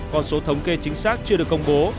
còn số thống kê chính xác chưa được công bố